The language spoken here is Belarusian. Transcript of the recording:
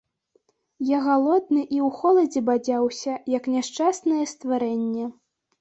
Я галодны і ў холадзе бадзяўся, як няшчаснае стварэнне.